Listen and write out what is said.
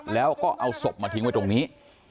แล้วก็เอาศพมาทิ้งไว้ตรงนี้